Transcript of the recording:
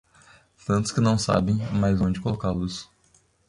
Tantos que não sabem mais onde colocá-los.